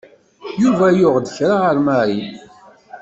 Yuba yuɣ-d kra ɣer Mary.